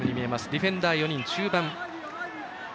ディフェンダー４人。